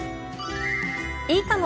いいかも！